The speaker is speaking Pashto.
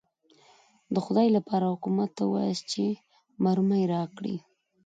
د خدای لپاره حکومت ته ووایاست چې مرمۍ راکړي.